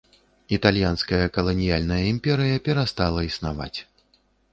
Італьянская каланіяльная імперыя перастала існаваць.